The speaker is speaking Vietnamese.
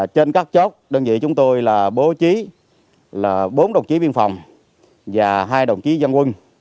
trên các chốt đơn vị chúng tôi là bố trí là bốn đồng chí biên phòng và hai đồng chí dân quân